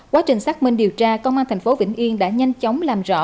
quá trình xác minh điều tra công an thành phố vĩnh yên đã nhanh chóng làm rõ